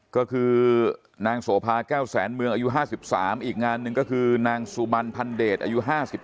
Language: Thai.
ก็คือนางโสภาแก้วแสนเมืองอายุ๕๓อีกงานหนึ่งก็คือนางสุบันพันเดชอายุ๕๓